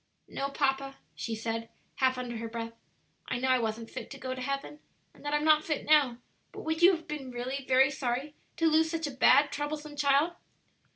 "No, papa," she said, half under her breath; "I know I wasn't fit to go to heaven, and that I'm not fit now; but would you have been really very sorry to lose such a bad, troublesome child?"